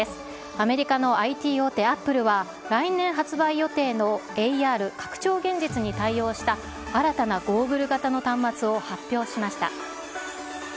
アメリカのＩＴ大手、アップルは、来年発売予定のＡＲ・拡張現実に対応した、新たなゴーグル型の端末を発表しました。